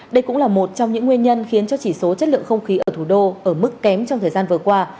đây cũng là một trong những nguyên nhân khiến cho chỉ số chất lượng không khí ở thủ đô ở mức kém trong thời gian vừa qua